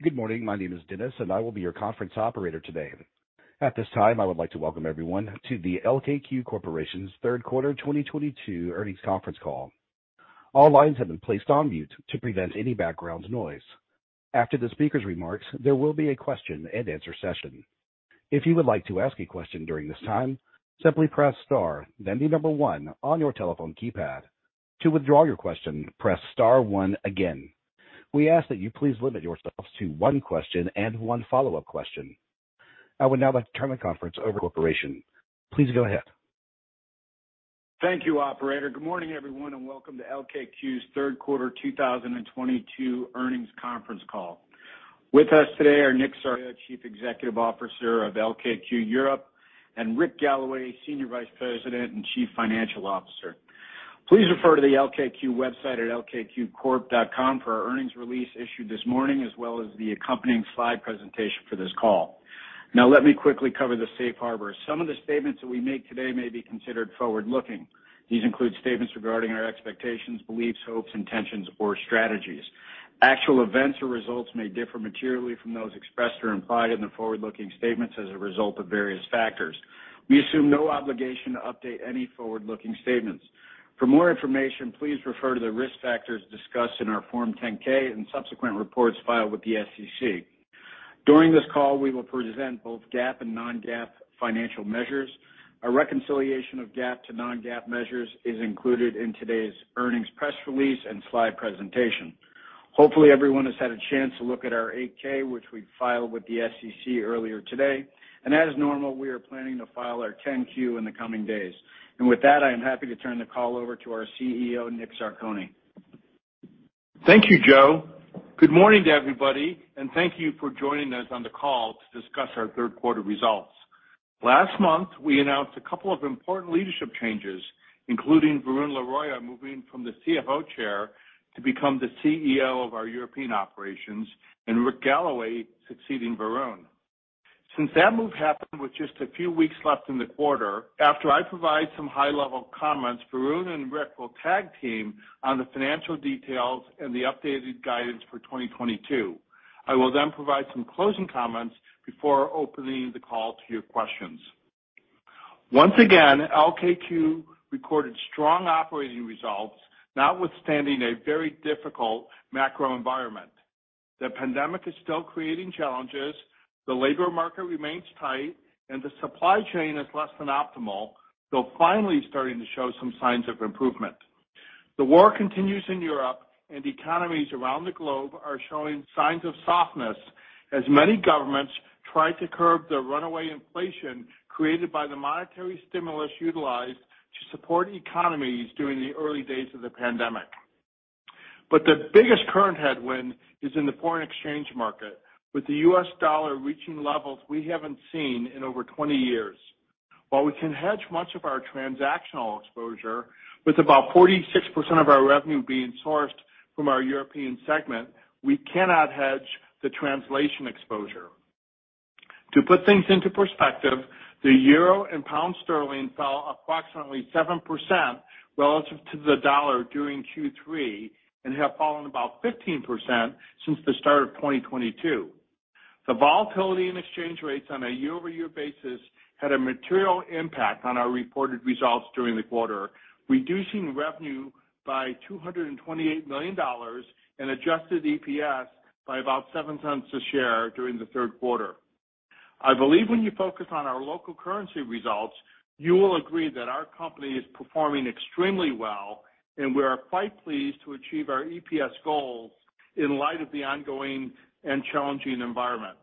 Good morning. My name is Dennis, and I will be your conference operator today. At this time, I would like to welcome everyone to the LKQ Corporation's third quarter 2022 earnings conference call. All lines have been placed on mute to prevent any background noise. After the speaker's remarks, there will be a question-and-answer session. If you would like to ask a question during this time, simply press star then 1 on your telephone keypad. To withdraw your question, press star one again. We ask that you please limit yourselves to one question and one follow-up question. I would now like to turn the conference over to Joe. Please go ahead. Thank you, operator. Good morning, everyone, and welcome to LKQ's third quarter 2022 earnings conference call. With us today are Dominick Zarcone, Chief Executive Officer of LKQ Europe, and Rick Galloway, Senior Vice President and Chief Financial Officer. Please refer to the LKQ website at lkqcorp.com for our earnings release issued this morning, as well as the accompanying slide presentation for this call. Now, let me quickly cover the safe harbor. Some of the statements that we make today may be considered forward-looking. These include statements regarding our expectations, beliefs, hopes, intentions, or strategies. Actual events or results may differ materially from those expressed or implied in the forward-looking statements as a result of various factors. We assume no obligation to update any forward-looking statements. For more information, please refer to the risk factors discussed in our Form 10-K and subsequent reports filed with the SEC. During this call, we will present both GAAP and non-GAAP financial measures. A reconciliation of GAAP to non-GAAP measures is included in today's earnings press release and slide presentation. Hopefully, everyone has had a chance to look at our 8-K, which we filed with the SEC earlier today. As normal, we are planning to file our 10-Q in the coming days. With that, I am happy to turn the call over to our CEO, Dominick Zarcone. Thank you, Joe. Good morning to everybody, and thank you for joining us on the call to discuss our third quarter results. Last month, we announced a couple of important leadership changes, including Varun Laroyia moving from the CFO chair to become the CEO of our European operations, and Rick Galloway succeeding Varun. Since that move happened with just a few weeks left in the quarter, after I provide some high-level comments, Varun and Rick will tag team on the financial details and the updated guidance for 2022. I will then provide some closing comments before opening the call to your questions. Once again, LKQ recorded strong operating results, notwithstanding a very difficult macro environment. The pandemic is still creating challenges, the labor market remains tight, and the supply chain is less than optimal, though finally starting to show some signs of improvement. The war continues in Europe, and economies around the globe are showing signs of softness as many governments try to curb the runaway inflation created by the monetary stimulus utilized to support economies during the early days of the pandemic. The biggest current headwind is in the foreign exchange market, with the U.S. dollar reaching levels we haven't seen in over 20 years. While we can hedge much of our transactional exposure, with about 46% of our revenue being sourced from our European segment, we cannot hedge the translation exposure. To put things into perspective, the euro and pound sterling fell approximately 7% relative to the dollar during Q3 and have fallen about 15% since the start of 2022. The volatility in exchange rates on a year-over-year basis had a material impact on our reported results during the quarter, reducing revenue by $228 million and adjusted EPS by about $0.07 a share during the third quarter. I believe when you focus on our local currency results, you will agree that our company is performing extremely well, and we are quite pleased to achieve our EPS goals in light of the ongoing and challenging environment.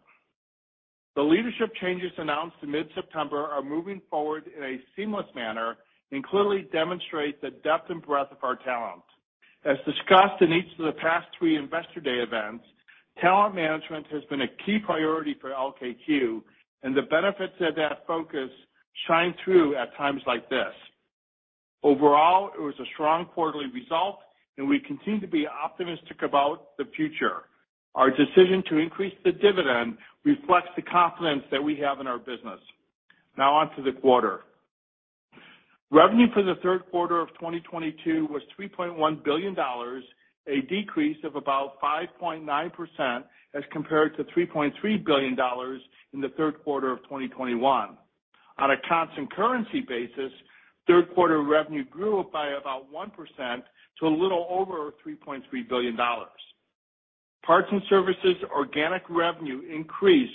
The leadership changes announced in mid-September are moving forward in a seamless manner and clearly demonstrate the depth and breadth of our talent. As discussed in each of the past 3 Investor Day events, talent management has been a key priority for LKQ, and the benefits of that focus shine through at times like this. Overall, it was a strong quarterly result, and we continue to be optimistic about the future. Our decision to increase the dividend reflects the confidence that we have in our business. Now onto the quarter. Revenue for the third quarter of 2022 was $3.1 billion, a decrease of about 5.9% as compared to $3.3 billion in the third quarter of 2021. On a constant currency basis, third quarter revenue grew by about 1% to a little over $3.3 billion. Parts and Services organic revenue increased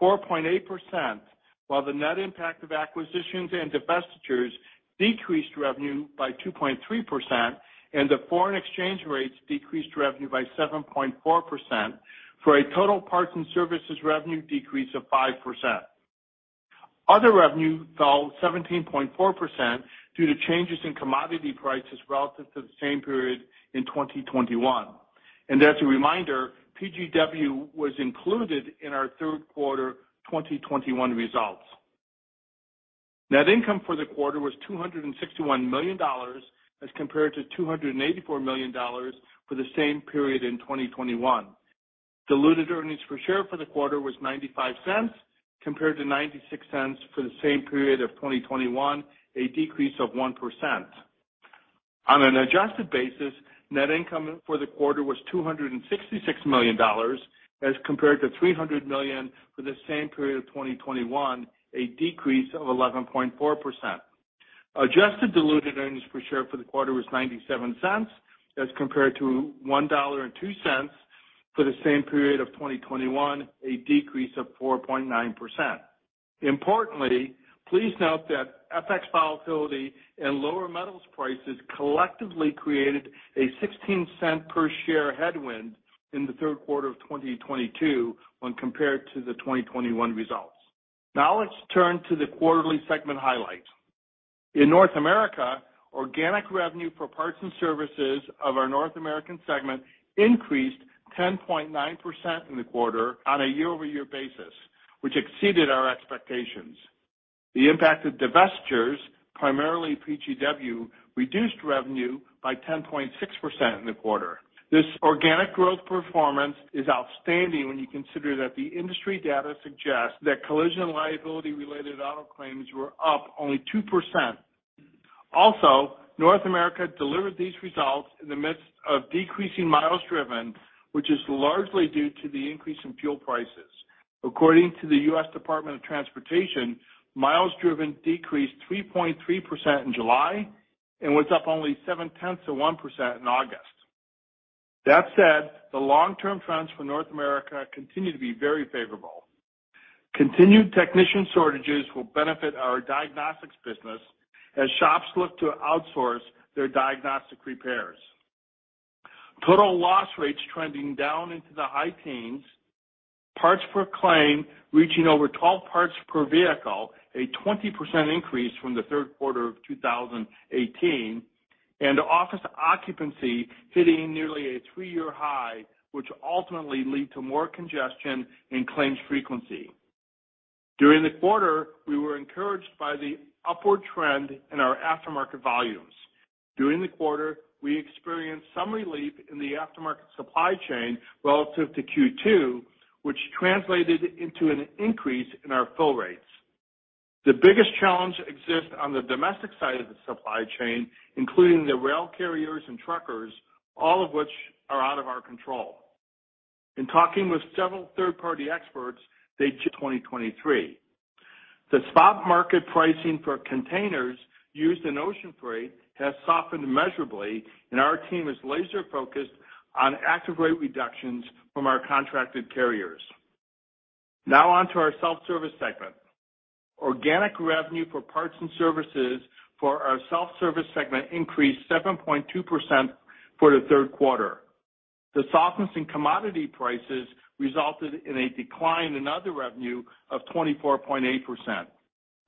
4.8%, while the net impact of acquisitions and divestitures decreased revenue by 2.3%, and the foreign exchange rates decreased revenue by 7.4% for a total Parts and Services revenue decrease of 5%. Other revenue fell 17.4% due to changes in commodity prices relative to the same period in 2021. As a reminder, PGW was included in our third quarter 2021 results. Net income for the quarter was $261 million as compared to $284 million for the same period in 2021. Diluted earnings per share for the quarter was $0.95 compared to $0.96 for the same period of 2021, a decrease of 1%. On an adjusted basis, net income for the quarter was $266 million as compared to $300 million for the same period of 2021, a decrease of 11.4%. Adjusted diluted earnings per share for the quarter was $0.97 as compared to $1.02 for the same period of 2021, a decrease of 4.9%. Importantly, please note that FX volatility and lower metals prices collectively created a 16-cent per-share headwind in the third quarter of 2022 when compared to the 2021 results. Now let's turn to the quarterly segment highlights. In North America, organic revenue for parts and services of our North American segment increased 10.9% in the quarter on a year-over-year basis, which exceeded our expectations. The impact of divestitures, primarily PGW, reduced revenue by 10.6% in the quarter. This organic growth performance is outstanding when you consider that the industry data suggests that collision liability-related auto claims were up only 2%. North America delivered these results in the midst of decreasing miles driven, which is largely due to the increase in fuel prices. According to the U.S. Department of Transportation, miles driven decreased 3.3% in July and was up only 0.7% in August. That said, the long-term trends for North America continue to be very favorable. Continued technician shortages will benefit our diagnostics business as shops look to outsource their diagnostic repairs. Total loss rates trending down into the high teens, parts per claim reaching over 12 parts per vehicle, a 20% increase from the third quarter of 2018, and office occupancy hitting nearly a three-year high, which ultimately lead to more congestion and claims frequency. During the quarter, we were encouraged by the upward trend in our aftermarket volumes. During the quarter, we experienced some relief in the aftermarket supply chain relative to Q2, which translated into an increase in our fill rates. The biggest challenge exists on the domestic side of the supply chain, including the rail carriers and truckers, all of which are out of our control. In talking with several third-party experts, they just 2023. The spot market pricing for containers used in ocean freight has softened measurably, and our team is laser-focused on active rate reductions from our contracted carriers. Now on to our self-service segment. Organic revenue for parts and services for our self-service segment increased 7.2% for the third quarter. The softness in commodity prices resulted in a decline in other revenue of 24.8%.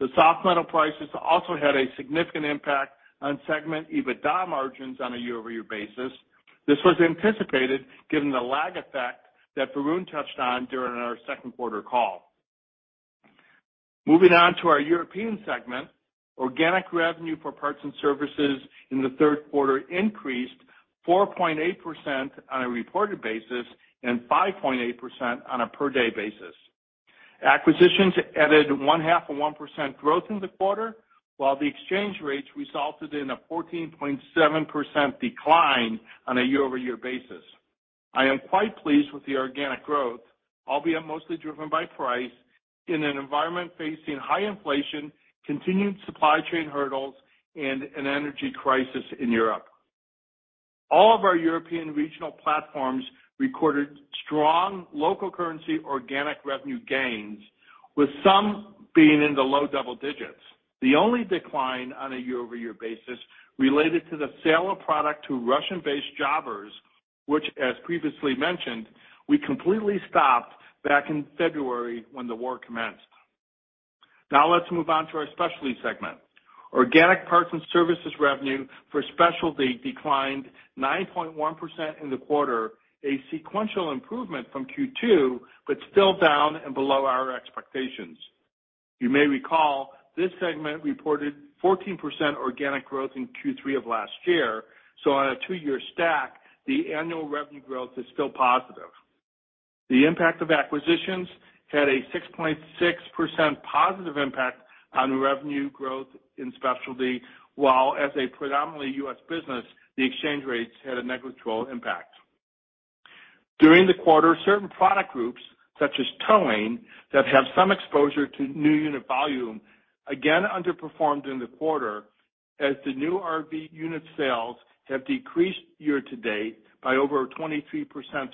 The soft metal prices also had a significant impact on segment EBITDA margins on a year-over-year basis. This was anticipated given the lag effect that Varun touched on during our second quarter call. Moving on to our European segment. Organic revenue for parts and services in the third quarter increased 4.8% on a reported basis and 5.8% on a per-day basis. Acquisitions added 0.5% growth in the quarter, while the exchange rates resulted in a 14.7% decline on a year-over-year basis. I am quite pleased with the organic growth, albeit mostly driven by price, in an environment facing high inflation, continued supply chain hurdles, and an energy crisis in Europe. All of our European regional platforms recorded strong local currency organic revenue gains, with some being in the low double digits. The only decline on a year-over-year basis related to the sale of product to Russian-based jobbers, which, as previously mentioned, we completely stopped back in February when the war commenced. Now let's move on to our specialty segment. Organic parts and services revenue for specialty declined 9.1% in the quarter, a sequential improvement from Q2, but still down and below our expectations. You may recall this segment reported 14% organic growth in Q3 of last year. On a two-year stack, the annual revenue growth is still positive. The impact of acquisitions had a 6.6% positive impact on revenue growth in specialty, while as a predominantly US business, the exchange rates had a negligible impact. During the quarter, certain product groups, such as towing, that have some exposure to new unit volume again underperformed in the quarter as the new RV unit sales have decreased year-to-date by over 23%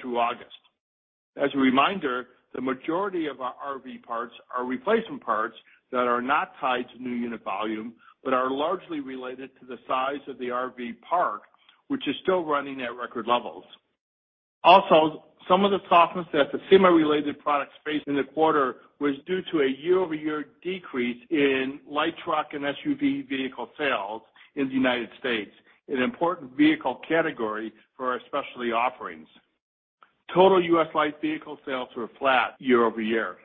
through August. As a reminder, the majority of our RV parts are replacement parts that are not tied to new unit volume, but are largely related to the size of the RV park, which is still running at record levels. Also, some of the softness that the SEMA-related products faced in the quarter was due to a year-over-year decrease in light truck and SUV vehicle sales in the United States, an important vehicle category for our specialty offerings. Total U.S. light vehicle sales were flat year-over-year.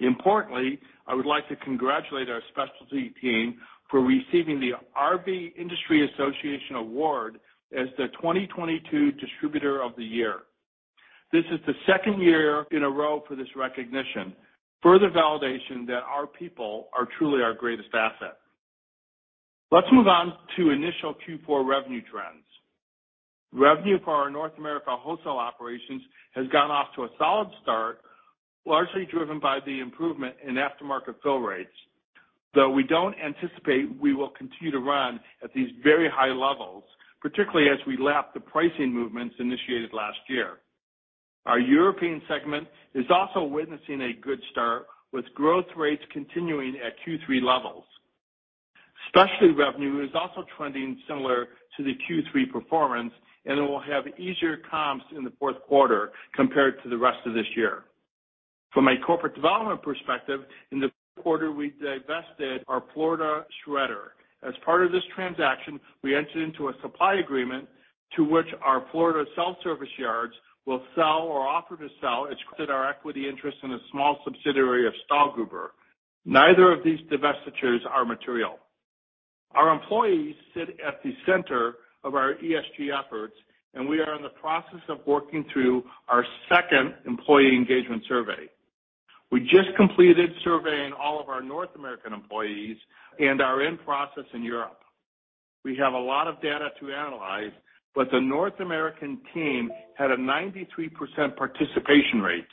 Importantly, I would like to congratulate our specialty team for receiving the RV Industry Association Award as the 2022 Distributor of the Year. This is the second year in a row for this recognition. Further validation that our people are truly our greatest asset. Let's move on to initial Q4 revenue trends. Revenue for our North America wholesale operations has gone off to a solid start, largely driven by the improvement in aftermarket fill rates. Though we don't anticipate we will continue to run at these very high levels, particularly as we lap the pricing movements initiated last year. Our European segment is also witnessing a good start, with growth rates continuing at Q3 levels. Specialty revenue is also trending similar to the Q3 performance, and it will have easier comps in the fourth quarter compared to the rest of this year. From a corporate development perspective, in the quarter we divested our Florida shredder. As part of this transaction, we entered into a supply agreement to which our Florida self-service yards will sell or offer to sell our equity interest in a small subsidiary of Stahlgruber. Neither of these divestitures are material. Our employees sit at the center of our ESG efforts, and we are in the process of working through our second employee engagement survey. We just completed surveying all of our North American employees and are in process in Europe. We have a lot of data to analyze, but the North American team had a 93% participation rate.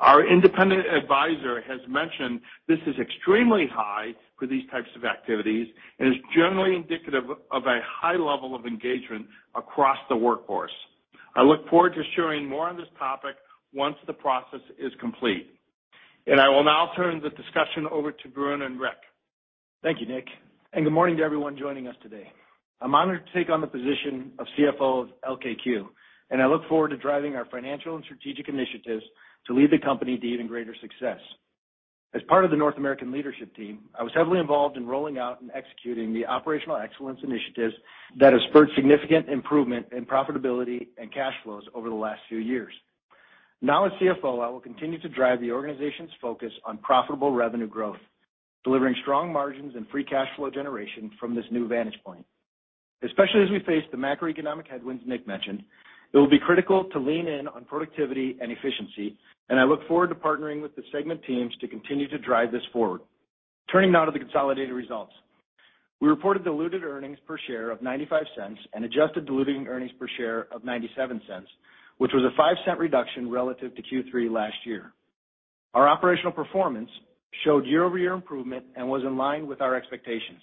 Our independent advisor has mentioned this is extremely high for these types of activities and is generally indicative of a high level of engagement across the workforce. I look forward to sharing more on this topic once the process is complete. I will now turn the discussion over to Bruin and Rick. Thank you, Nick, and good morning to everyone joining us today. I'm honored to take on the position of CFO of LKQ, and I look forward to driving our financial and strategic initiatives to lead the company to even greater success. As part of the North American leadership team, I was heavily involved in rolling out and executing the operational excellence initiatives that have spurred significant improvement in profitability and cash flows over the last few years. Now as CFO, I will continue to drive the organization's focus on profitable revenue growth, delivering strong margins and free cash flow generation from this new vantage point. Especially as we face the macroeconomic headwinds Nick mentioned, it will be critical to lean in on productivity and efficiency, and I look forward to partnering with the segment teams to continue to drive this forward. Turning now to the consolidated results. We reported diluted earnings per share of $0.95 and adjusted diluting earnings per share of $0.97, which was a $0.05 reduction relative to Q3 last year. Our operational performance showed year-over-year improvement and was in line with our expectations.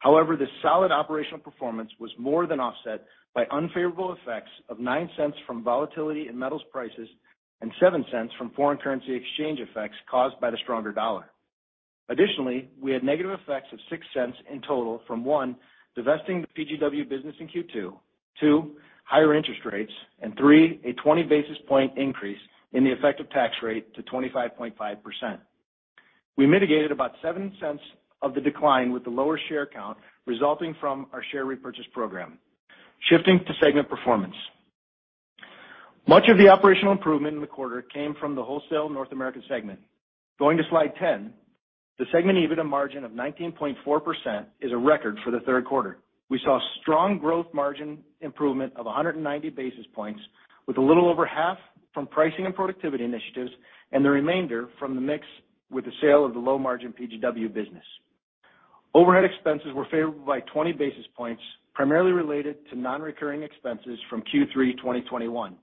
However, the solid operational performance was more than offset by unfavorable effects of $0.09 from volatility in metals prices and $0.07 from foreign currency exchange effects caused by the stronger dollar. Additionally, we had negative effects of $0.06 in total from, one, divesting the PGW business in Q2, two, higher interest rates, and three, a 20 basis point increase in the effective tax rate to 25.5%. We mitigated about $0.07 of the decline with the lower share count resulting from our share repurchase program. Shifting to segment performance. Much of the operational improvement in the quarter came from the wholesale North American segment. Going to slide 10, the segment EBITDA margin of 19.4% is a record for the third quarter. We saw strong growth margin improvement of 190 basis points, with a little over half from pricing and productivity initiatives and the remainder from the mix with the sale of the low-margin PGW business. Overhead expenses were favored by 20 basis points, primarily related to non-recurring expenses from Q3 2021.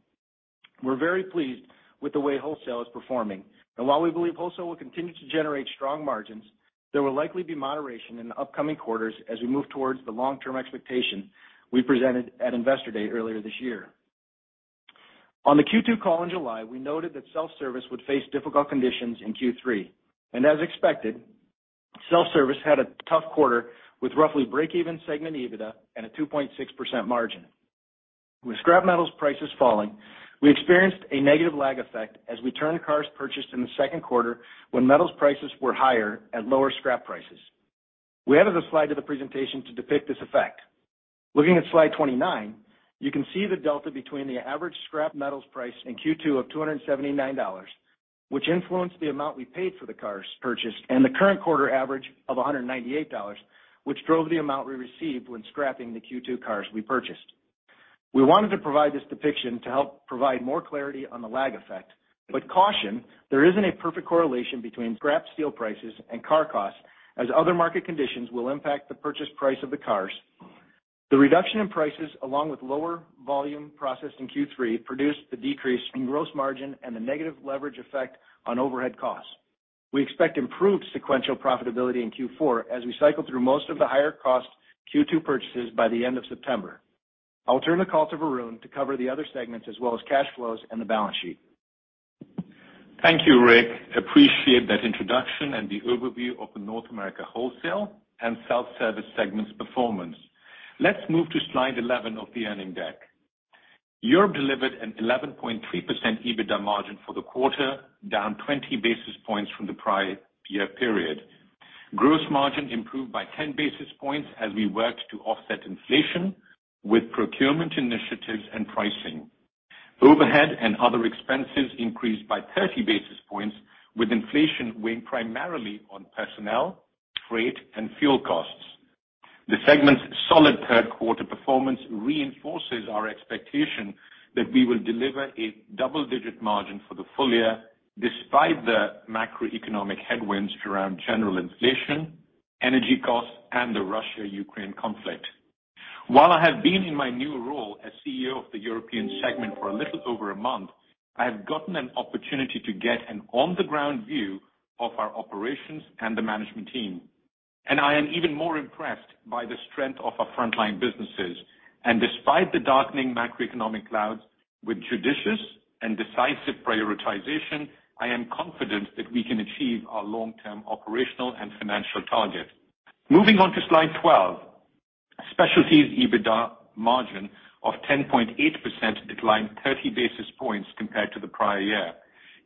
We're very pleased with the way wholesale is performing. While we believe wholesale will continue to generate strong margins, there will likely be moderation in the upcoming quarters as we move towards the long-term expectation we presented at Investor Day earlier this year. On the Q2 call in July, we noted that self-service would face difficult conditions in Q3. As expected, self-service had a tough quarter with roughly break-even segment EBITDA and a 2.6% margin. With scrap metals prices falling, we experienced a negative lag effect as we turned cars purchased in the second quarter when metals prices were higher at lower scrap prices. We added a slide to the presentation to depict this effect. Looking at slide 29, you can see the delta between the average scrap metals price in Q2 of $279, which influenced the amount we paid for the cars purchased, and the current quarter average of $198, which drove the amount we received when scrapping the Q2 cars we purchased. We wanted to provide this depiction to help provide more clarity on the lag effect. Caution: there isn't a perfect correlation between scrap steel prices and car costs, as other market conditions will impact the purchase price of the cars. The reduction in prices, along with lower volume processed in Q3, produced the decrease in gross margin and the negative leverage effect on overhead costs. We expect improved sequential profitability in Q4 as we cycle through most of the higher cost Q2 purchases by the end of September. I'll turn the call to Varun to cover the other segments, as well as cash flows and the balance sheet. Thank you, Rick. Appreciate that introduction and the overview of the North America wholesale and self-service segments performance. Let's move to slide 11 of the earning deck. Europe delivered an 11.3% EBITDA margin for the quarter, down 20 basis points from the prior year period. Gross margin improved by 10 basis points as we worked to offset inflation with procurement initiatives and pricing. Overhead and other expenses increased by 30 basis points, with inflation weighing primarily on personnel, freight, and fuel costs. The segment's solid third quarter performance reinforces our expectation that we will deliver a double-digit margin for the full year despite the macroeconomic headwinds around general inflation, energy costs, and the Russia-Ukraine conflict. While I have been in my new role as CEO of the European segment for a little over a month, I have gotten an opportunity to get an on-the-ground view of our operations and the management team, and I am even more impressed by the strength of our frontline businesses. Despite the darkening macroeconomic clouds, with judicious and decisive prioritization, I am confident that we can achieve our long-term operational and financial targets. Moving on to slide 12. Specialties EBITDA margin of 10.8% declined 30 basis points compared to the prior year,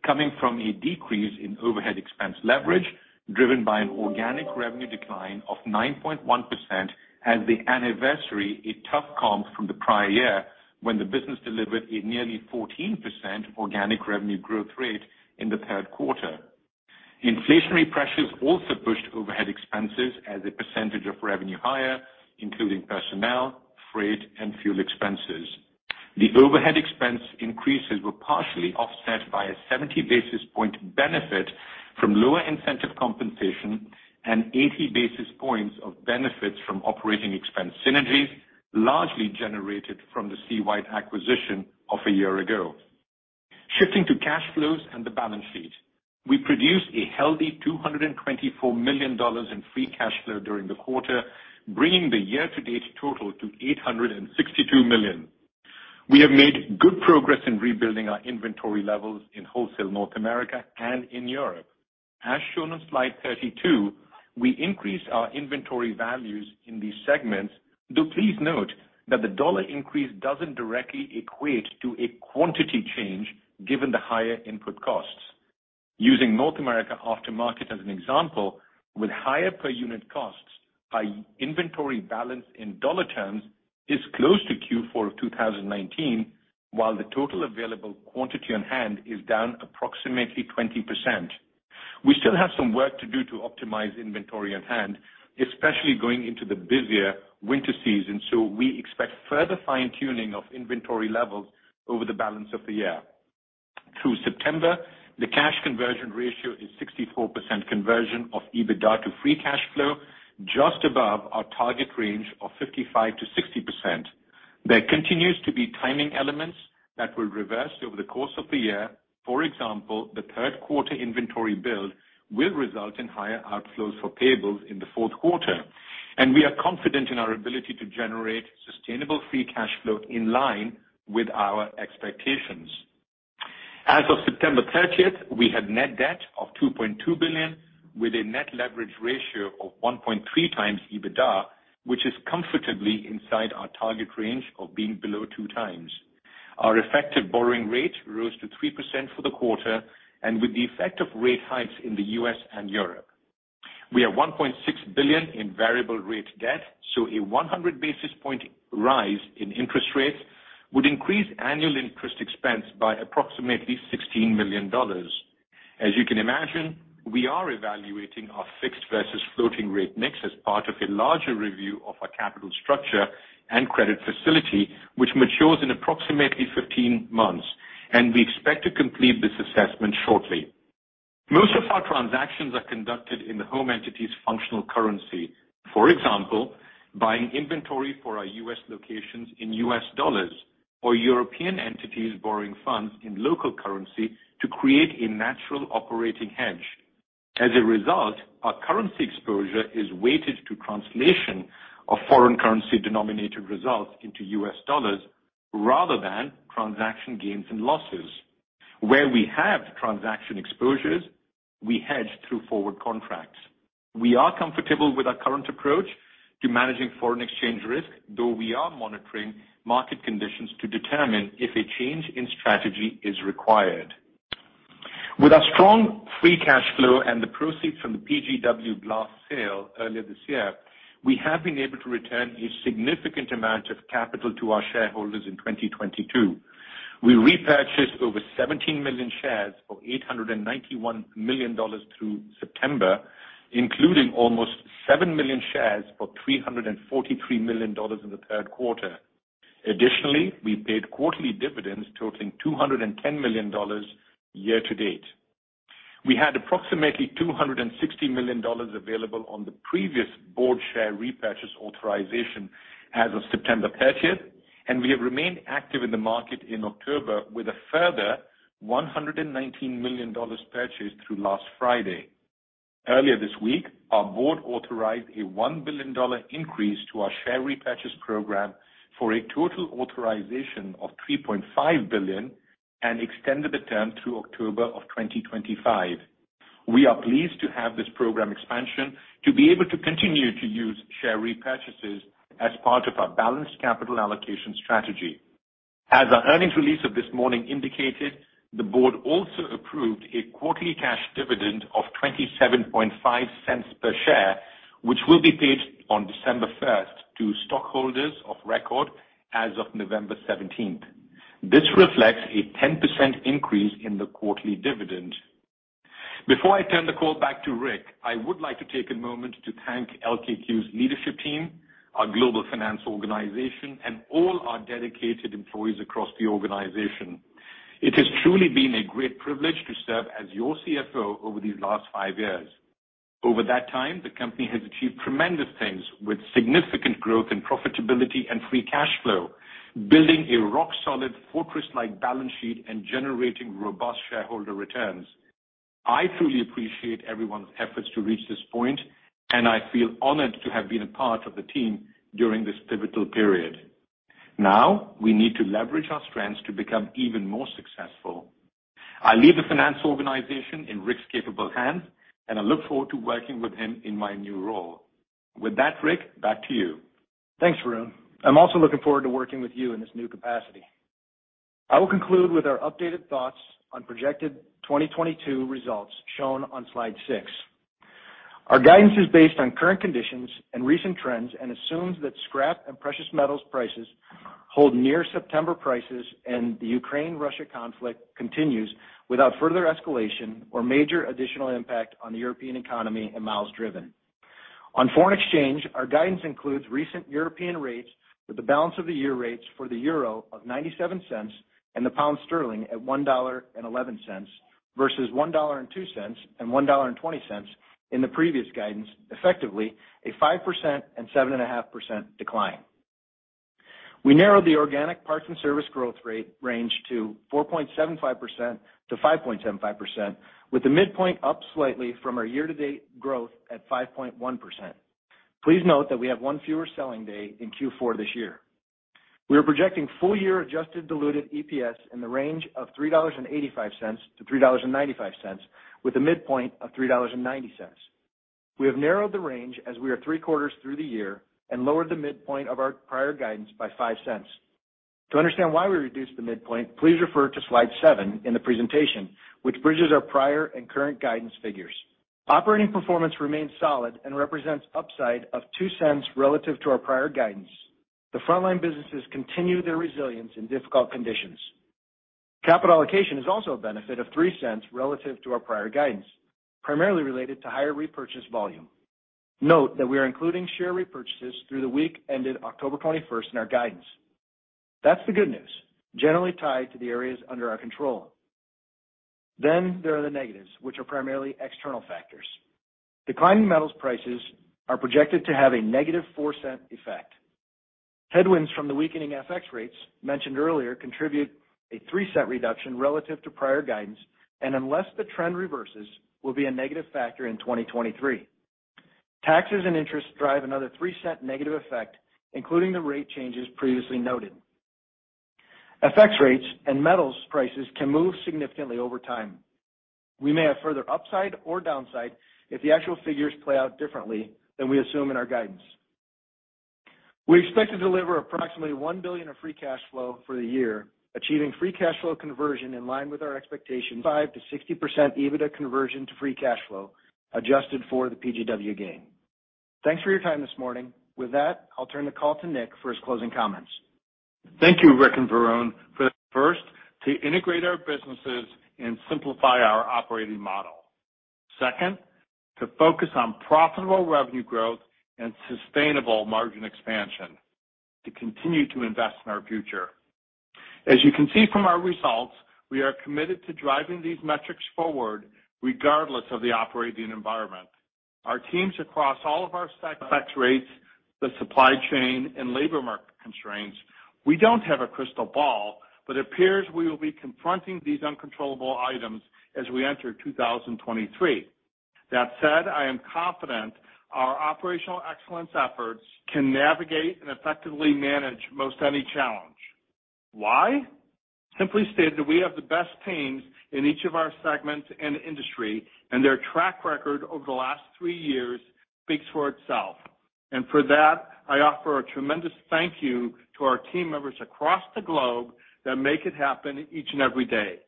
coming from a decrease in overhead expense leverage driven by an organic revenue decline of 9.1% as we anniversary a tough comp from the prior year when the business delivered a nearly 14% organic revenue growth rate in the third quarter. Inflationary pressures also pushed overhead expenses as a percentage of revenue higher, including personnel, freight, and fuel expenses. The overhead expense increases were partially offset by a 70 basis point benefit from lower incentive compensation and 80 basis points of benefits from operating expense synergies, largely generated from the SeaWide acquisition of a year ago. Shifting to cash flows and the balance sheet. We produced a healthy $224 million in free cash flow during the quarter, bringing the year-to-date total to $862 million. We have made good progress in rebuilding our inventory levels in wholesale North America and in Europe. As shown on slide 32, we increased our inventory values in these segments, though please note that the dollar increase doesn't directly equate to a quantity change given the higher input costs. Using North America aftermarket as an example, with higher per unit costs, our inventory balance in dollar terms is close to Q4 of 2019, while the total available quantity on hand is down approximately 20%. We still have some work to do to optimize inventory on hand, especially going into the busier winter season, so we expect further fine-tuning of inventory levels over the balance of the year. Through September, the cash conversion ratio is 64% conversion of EBITDA to free cash flow, just above our target range of 55%-60%. There continues to be timing elements that will reverse over the course of the year. For example, the third quarter inventory build will result in higher outflows for payables in the fourth quarter. We are confident in our ability to generate sustainable free cash flow in line with our expectations. As of September 30th, we had net debt of $2.2 billion with a net leverage ratio of 1.3x EBITDA, which is comfortably inside our target range of being below 2x. Our effective borrowing rate rose to 3% for the quarter and with the effect of rate hikes in the U.S. and Europe. We have $1.6 billion in variable rate debt, so a 100 basis point rise in interest rates would increase annual interest expense by approximately $16 million. As you can imagine, we are evaluating our fixed versus floating rate mix as part of a larger review of our capital structure and credit facility, which matures in approximately 15 months. We expect to complete this assessment shortly. Most of our transactions are conducted in the home entity's functional currency. For example, buying inventory for our U.S. locations in U.S. dollars or European entities borrowing funds in local currency to create a natural operating hedge. As a result, our currency exposure is weighted to translation of foreign currency denominated results into U.S. dollars rather than transaction gains and losses. Where we have transaction exposures, we hedge through forward contracts. We are comfortable with our current approach to managing foreign exchange risk, though we are monitoring market conditions to determine if a change in strategy is required. With our strong free cash flow and the proceeds from the PGW Glass sale earlier this year, we have been able to return a significant amount of capital to our shareholders in 2022. We repurchased over 17 million shares for $891 million through September, including almost 7 million shares for $343 million in the third quarter. Additionally, we paid quarterly dividends totaling $210 million year to date. We had approximately $260 million available on the previous board share repurchase authorization as of September 30th, and we have remained active in the market in October with a further $119 million purchase through last Friday. Earlier this week, our board authorized a $1 billion increase to our share repurchase program for a total authorization of $3.5 billion and extended the term through October 2025. We are pleased to have this program expansion to be able to continue to use share repurchases as part of our balanced capital allocation strategy. As our earnings release of this morning indicated, the board also approved a quarterly cash dividend of $0.275 per share, which will be paid on December 1st to stockholders of record as of November 17th. This reflects a 10% increase in the quarterly dividend. Before I turn the call back to Rick, I would like to take a moment to thank LKQ's leadership team, our global finance organization, and all our dedicated employees across the organization. It has truly been a great privilege to serve as your CFO over these last five years. Over that time, the company has achieved tremendous things with significant growth and profitability and free cash flow, building a rock solid fortress-like balance sheet and generating robust shareholder returns. I truly appreciate everyone's efforts to reach this point, and I feel honored to have been a part of the team during this pivotal period. Now we need to leverage our strengths to become even more successful. I leave the finance organization in Rick's capable hands, and I look forward to working with him in my new role. With that, Rick, back to you. Thanks, Varun. I'm also looking forward to working with you in this new capacity. I will conclude with our updated thoughts on projected 2022 results shown on slide 6. Our guidance is based on current conditions and recent trends and assumes that scrap and precious metals prices hold near September prices and the Ukraine-Russia conflict continues without further escalation or major additional impact on the European economy and miles driven. On foreign exchange, our guidance includes recent European rates with the balance of the year rates for the euro of $0.97 and the pound sterling at $1.11 versus $1.02 and $1.20 in the previous guidance, effectively a 5% and 7.5% decline. We narrowed the organic parts and service growth rate range to 4.75%-5.75%, with the midpoint up slightly from our year-to-date growth at 5.1%. Please note that we have 1 fewer selling day in Q4 this year. We are projecting full year adjusted diluted EPS in the range of $3.85-$3.95, with a midpoint of $3.90. We have narrowed the range as we are 3 quarters through the year and lowered the midpoint of our prior guidance by 5 cents. To understand why we reduced the midpoint, please refer to slide 7 in the presentation, which bridges our prior and current guidance figures. Operating performance remains solid and represents upside of 2 cents relative to our prior guidance. The frontline businesses continue their resilience in difficult conditions. Capital allocation is also a benefit of $0.03 relative to our prior guidance, primarily related to higher repurchase volume. Note that we are including share repurchases through the week ended October 21 in our guidance. That's the good news, generally tied to the areas under our control. There are the negatives, which are primarily external factors. Declining metals prices are projected to have a negative $0.04 effect. Headwinds from the weakening FX rates mentioned earlier contribute a $0.03 reduction relative to prior guidance, and unless the trend reverses, will be a negative factor in 2023. Taxes and interests drive another $0.03 negative effect, including the rate changes previously noted. FX rates and metals prices can move significantly over time. We may have further upside or downside if the actual figures play out differently than we assume in our guidance. We expect to deliver approximately $1 billion of free cash flow for the year, achieving free cash flow conversion in line with our expectation, 5%-60% EBITDA conversion to free cash flow, adjusted for the PGW gain. Thanks for your time this morning. With that, I'll turn the call to Nick for his closing comments. Thank you, Rick and Varun. First, to integrate our businesses and simplify our operating model. Second, to focus on profitable revenue growth and sustainable margin expansion to continue to invest in our future. As you can see from our results, we are committed to driving these metrics forward regardless of the operating environment. Our teams across all of our segments, FX rates, the supply chain, and labor market constraints. We don't have a crystal ball, but it appears we will be confronting these uncontrollable items as we enter 2023. That said, I am confident our operational excellence efforts can navigate and effectively manage most any challenge. Why? Simply stated, we have the best teams in each of our segments and industry, and their track record over the last three years speaks for itself. For that, I offer a tremendous thank you to our team members across the globe that make it happen each and every day.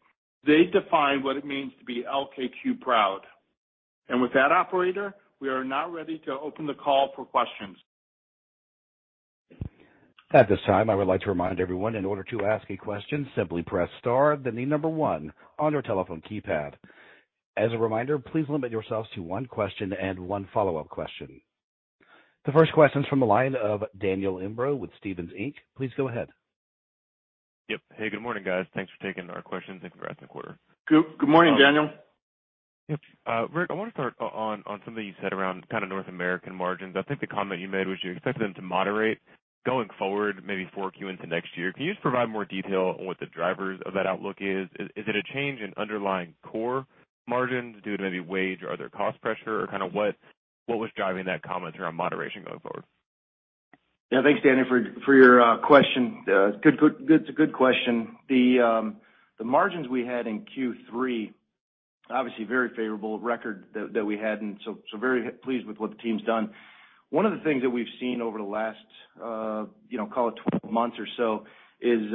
They define what it means to be LKQ Proud. With that, operator, we are now ready to open the call for questions. At this time, I would like to remind everyone in order to ask a question, simply press star, then the number 1 on your telephone keypad. As a reminder, please limit yourselves to one question and one follow-up question. The first question is from the line of Daniel Imbro with Stephens Inc. Please go ahead. Yep. Hey, good morning, guys. Thanks for taking our questions and congrats on the quarter. Good morning, Daniel. Yep. Rick, I wanna start on something you said around kinda North American margins. I think the comment you made was you expect them to moderate going forward, maybe 4Q into next year. Can you just provide more detail on what the drivers of that outlook is? Is it a change in underlying core margins due to maybe wage or other cost pressure? Or kinda what was driving that comment around moderation going forward? Thanks, Daniel, for your question. It's a good question. The margins we had in Q3, obviously very favorable record that we had, and so very pleased with what the team's done. One of the things that we've seen over the last call it 12 months or so, is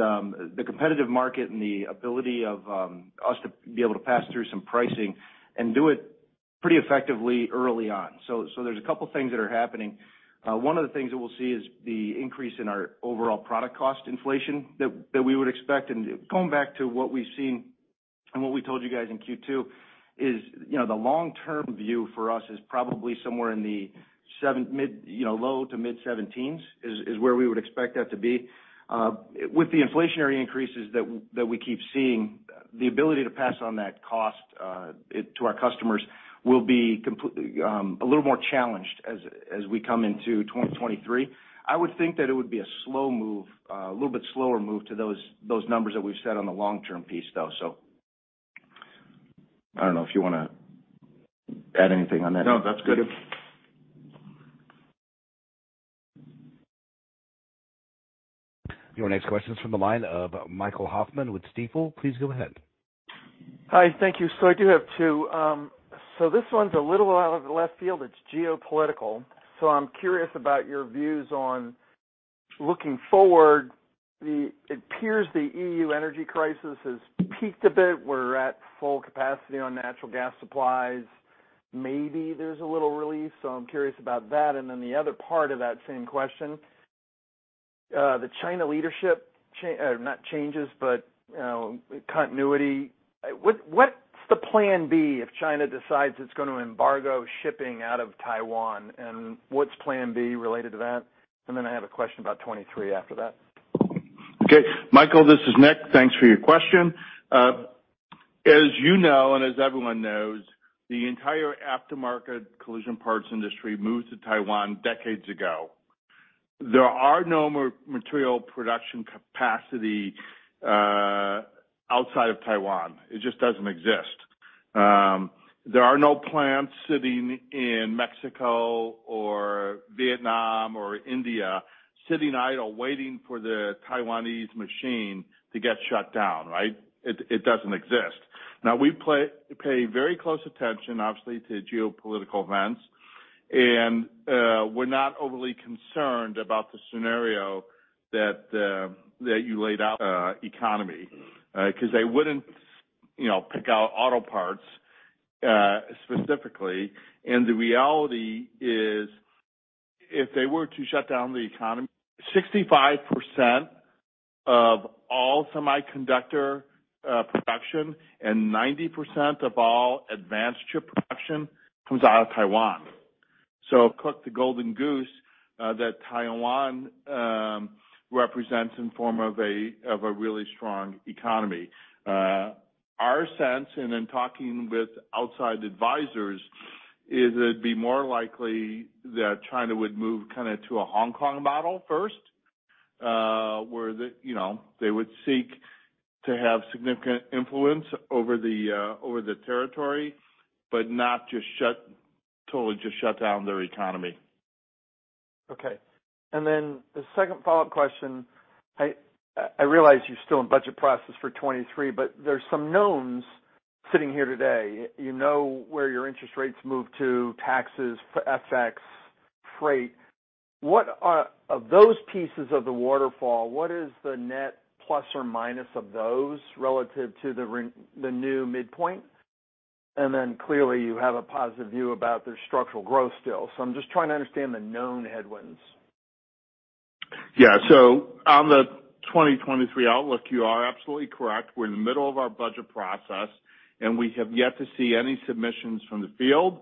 the competitive market and the ability of us to be able to pass through some pricing and do it pretty effectively early on. So there's a couple things that are happening. One of the things that we'll see is the increase in our overall product cost inflation that we would expect. Going back to what we've seen and what we told you guys in Q2, the long-term view for us is probably somewhere in the low- to mid-seventeens, where we would expect that to be. With the inflationary increases that we keep seeing, the ability to pass on that cost to our customers will be a little more challenged as we come into 2023. I would think that it would be a slow move, a little bit slower move to those numbers that we've set on the long-term piece though. I don't know if you wanna add anything on that. No, that's good. Okay. Your next question is from the line of Michael Hoffman with Stifel. Please go ahead. Hi, thank you. I do have two. This one's a little out of left field, it's geopolitical. I'm curious about your views on, looking forward, it appears the EU energy crisis has peaked a bit. We're at full capacity on natural gas supplies. Maybe there's a little relief, so I'm curious about that. The other part of that same question, the China leadership, not changes, but continuity. What's the plan B if China decides it's gonna embargo shipping out of Taiwan? What's plan B related to that? I have a question about 2023 after that. Okay, Michael, this is Nick. Thanks for your question. As you know, and as everyone knows, the entire aftermarket collision parts industry moved to Taiwan decades ago. There are no material production capacity outside of Taiwan. It just doesn't exist. There are no plants sitting in Mexico or Vietnam or India sitting idle waiting for the Taiwanese machine to get shut down, right? It doesn't exist. Now, we pay very close attention, obviously, to geopolitical events and we're not overly concerned about the scenario that you laid out, economy. 'Cause they wouldn't pick out auto parts specifically, and the reality is if they were to shut down the economy, 65% of all semiconductor production and 90% of all advanced chip production comes out of Taiwan. Cook the golden goose that Taiwan represents in form of a really strong economy. Our sense, and in talking with outside advisors, is it'd be more likely that China would move kinda to a Hong Kong model first, where you know they would seek to have significant influence over the territory, but not just totally shut down their economy. Okay. The second follow-up question, I realize you're still in budget process for 2023, but there's some knowns sitting here today. You know where your interest rates move to, taxes, FX, freight. What of those pieces of the waterfall, what is the net plus or minus of those relative to the new midpoint? And then clearly you have a positive view about their structural growth still. I'm just trying to understand the known headwinds. Yeah. On the 2023 outlook, you are absolutely correct. We're in the middle of our budget process, and we have yet to see any submissions from the field.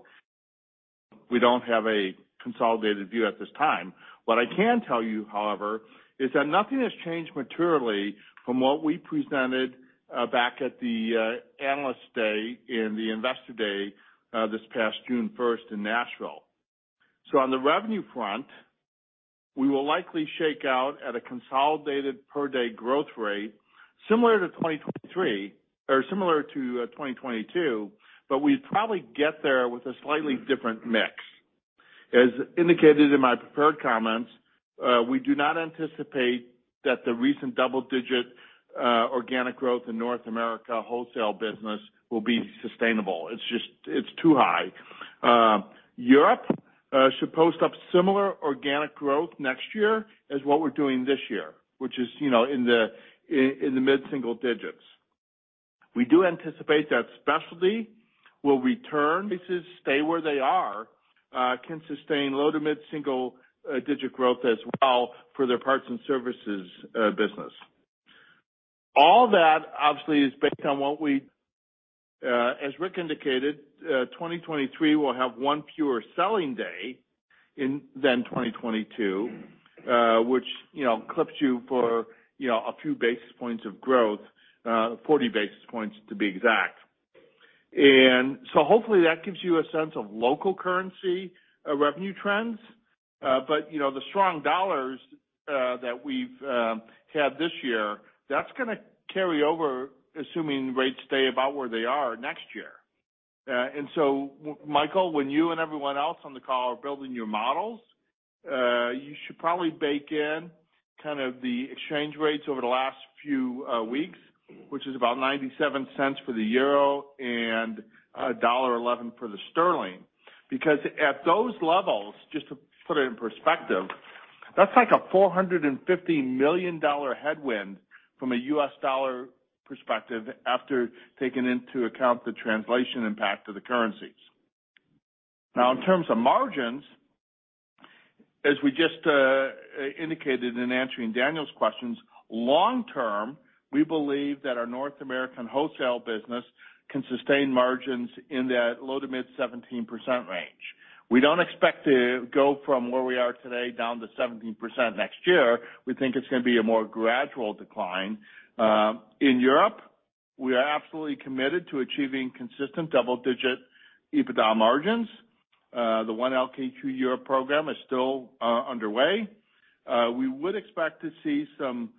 We don't have a consolidated view at this time. What I can tell you, however, is that nothing has changed materially from what we presented back at the Analyst Day and the Investor Day this past June 1 in Nashville. On the revenue front, we will likely shake out at a consolidated per-day growth rate similar to 2023, or similar to 2022, but we'd probably get there with a slightly different mix. As indicated in my prepared comments, we do not anticipate that the recent double-digit organic growth in North America wholesale business will be sustainable. It's just, it's too high. Europe should post up similar organic growth next year as what we're doing this year, which is in the mid-single digits. We do anticipate that specialty will return. Prices stay where they are, can sustain low to mid-single digit growth as well for their parts and services business. All that obviously is based on, as Rick indicated, 2023 will have one fewer selling day than 2022, which clips you for a few basis points of growth, 40 basis points to be exact. Hopefully that gives you a sense of local currency revenue trends. You know, the strong dollars that we've had this year, that's gonna carry over, assuming rates stay about where they are next year. Michael, when you and everyone else on the call are building your models, you should probably bake in kind of the exchange rates over the last few weeks, which is about 97 cents for the euro and $1.11 for the sterling. Because at those levels, just to put it in perspective, that's like a $450 million headwind from a U.S. dollar perspective after taking into account the translation impact of the currencies. Now, in terms of margins, as we just indicated in answering Daniel's questions, long term, we believe that our North American wholesale business can sustain margins in that low to mid 17% range. We don't expect to go from where we are today down to 17% next year. We think it's gonna be a more gradual decline. In Europe, we are absolutely committed to achieving consistent double-digit EBITDA margins. The One LKQ Europe program is still underway. We would expect to see some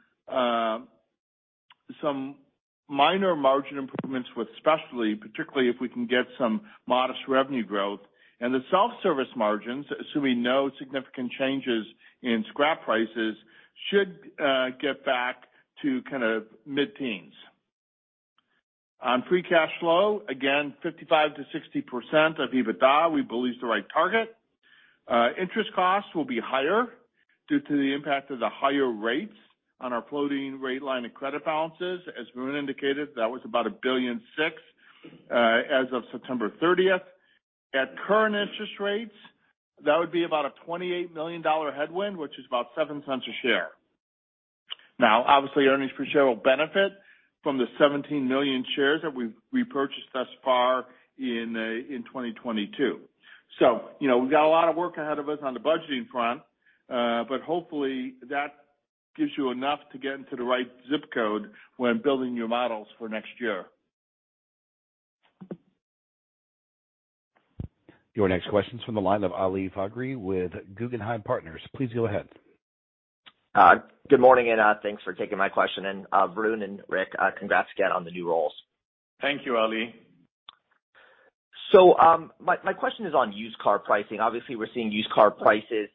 minor margin improvements with specialty, particularly if we can get some modest revenue growth. The self-service margins, assuming no significant changes in scrap prices, should get back to kind of mid-teens. On free cash flow, again, 55%-60% of EBITDA, we believe is the right target. Interest costs will be higher due to the impact of the higher rates on our floating rate line and credit balances. As Varun indicated, that was about $1.6 billion as of September 30. At current interest rates, that would be about a $28 million headwind, which is about $0.07 per share. Now, obviously, earnings per share will benefit from the 17 million shares that we've repurchased thus far in 2022. You know, we've got a lot of work ahead of us on the budgeting front, but hopefully that gives you enough to get into the right ZIP code when building your models for next year. Your next question is from the line of Ali Faghri with Guggenheim Partners. Please go ahead. Good morning, and thanks for taking my question. Varun and Rick, congrats again on the new roles. Thank you, Ali. My question is on used car pricing. Obviously, we're seeing used car prices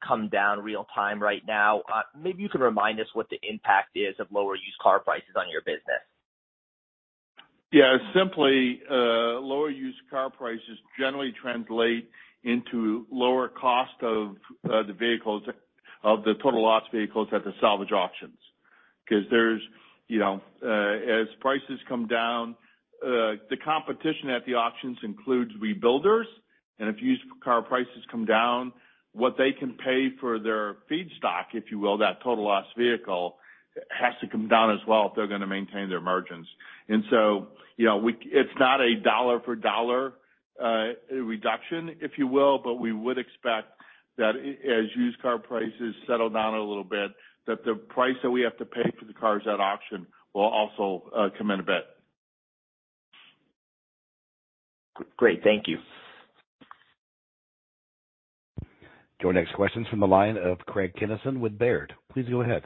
come down real time right now. Maybe you can remind us what the impact is of lower used car prices on your business. Yeah. Simply, lower used car prices generally translate into lower cost of the total loss vehicles at the salvage auctions. 'Cause there's as prices come down, the competition at the auctions includes rebuilders, and if used car prices come down, what they can pay for their feedstock, if you will, that total loss vehicle, has to come down as well if they're gonna maintain their margins. It's not a dollar for dollar reduction, if you will, but we would expect that as used car prices settle down a little bit, that the price that we have to pay for the cars at auction will also come in a bit. Great. Thank you. Your next question is from the line of Craig Kennison with Baird. Please go ahead.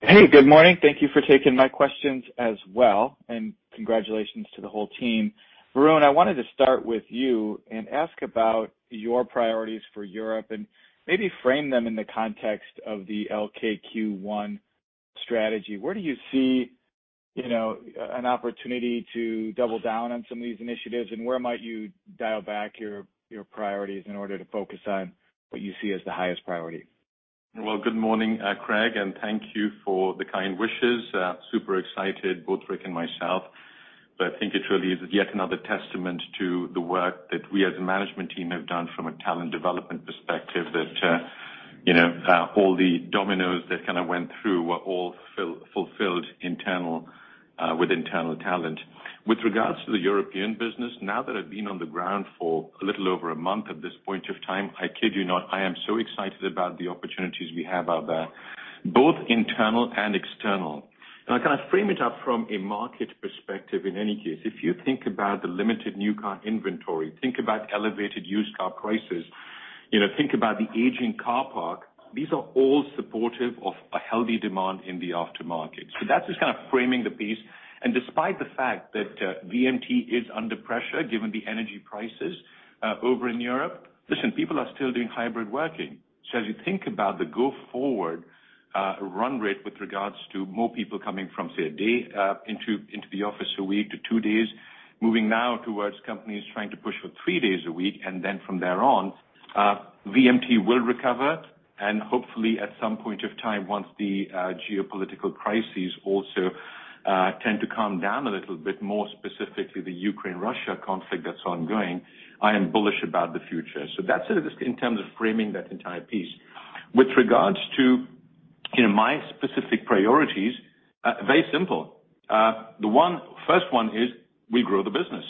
Hey, good morning. Thank you for taking my questions as well, and congratulations to the whole team. Varun, I wanted to start with you and ask about your priorities for Europe and maybe frame them in the context of the One LKQ strategy. Where do you see an opportunity to double down on some of these initiatives, and where might you dial back your priorities in order to focus on what you see as the highest priority? Well, good morning, Craig, and thank you for the kind wishes. Super excited, both Rick and myself. I think it really is yet another testament to the work that we as a management team have done from a talent development perspective that all the dominoes that kind of went through were all fulfilled internal, with internal talent. With regards to the European business, now that I've been on the ground for a little over a month at this point of time, I kid you not, I am so excited about the opportunities we have out there, both internal and external. I kind of frame it up from a market perspective in any case. If you think about the limited new car inventory, think about elevated used car prices think about the aging car park, these are all supportive of a healthy demand in the aftermarket. That's just kind of framing the piece. Despite the fact that VMT is under pressure, given the energy prices over in Europe, listen, people are still doing hybrid working. As you think about the go forward run rate with regards to more people coming from, say, a day into the office a week to two days, moving now towards companies trying to push for three days a week, and then from there on, VMT will recover. Hopefully, at some point of time, once the geopolitical crises also tend to calm down a little bit more specifically, the Ukraine-Russia conflict that's ongoing, I am bullish about the future. That's it in terms of framing that entire piece. With regards to my specific priorities, very simple. The first one is we grow the business.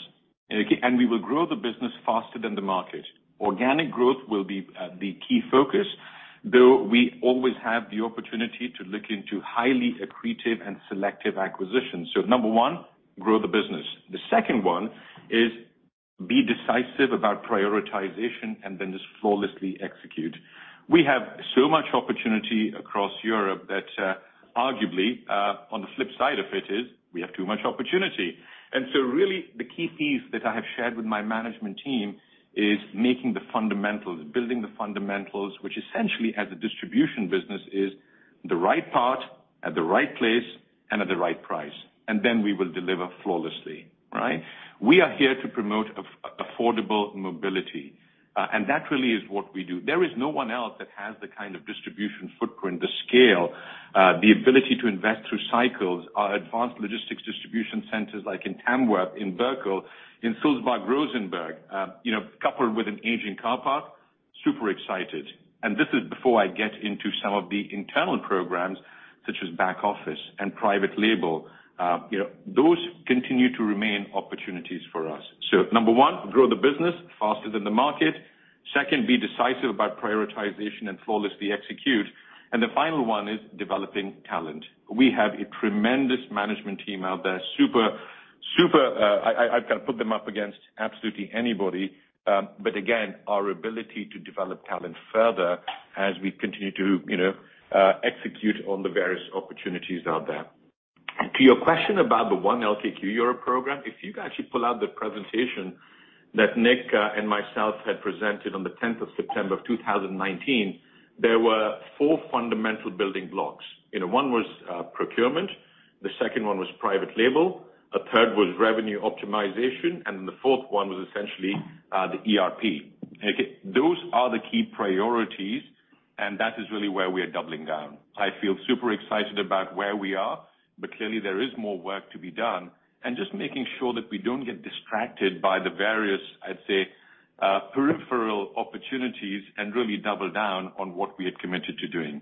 We will grow the business faster than the market. Organic growth will be the key focus, though we always have the opportunity to look into highly accretive and selective acquisitions. Number one, grow the business. The second one is be decisive about prioritization and then just flawlessly execute. We have so much opportunity across Europe that, arguably, on the flip side of it is we have too much opportunity. Really the key piece that I have shared with my management team is making the fundamentals, building the fundamentals, which essentially as a distribution business is the right part at the right place and at the right price, and then we will deliver flawlessly, right? We are here to promote affordable mobility, and that really is what we do. There is no one else that has the kind of distribution footprint, the scale, the ability to invest through cycles, our advanced logistics distribution centers like in Tamworth, in Berkel, in sulzbach-rosenberg coupled with an aging car park, super excited. This is before I get into some of the internal programs such as back office and private label. You know, those continue to remain opportunities for us. Number one, grow the business faster than the market. Second, be decisive about prioritization and flawlessly execute. The final one is developing talent. We have a tremendous management team out there, super, I can put them up against absolutely anybody, but again, our ability to develop talent further as we continue to execute on the various opportunities out there. To your question about the One LKQ Europe program, if you guys should pull out the presentation that Nick and myself had presented on the tenth of September of 2019, there were four fundamental building blocks. You know, one was procurement, the second one was private label, a third was revenue optimization, and the fourth one was essentially the ERP. Okay? Those are the key priorities, and that is really where we are doubling down. I feel super excited about where we are, but clearly there is more work to be done, and just making sure that we don't get distracted by the various, I'd say, peripheral opportunities and really double down on what we are committed to doing.